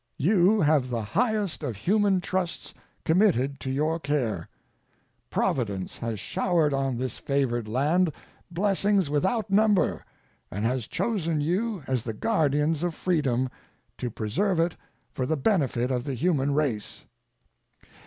You have the highest of human trusts committed to your care. Providence has showered on this favored land blessings without number, and has chosen you as the guardians of freedom, to preserve it for the benefit of the human race.